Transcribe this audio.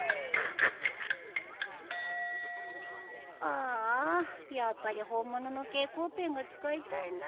ああやっぱり本物の蛍光ペンが使いたいな。